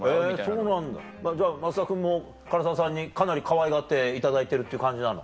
そうなんだじゃあ増田君も唐沢さんにかなりかわいがっていただいてるっていう感じなの？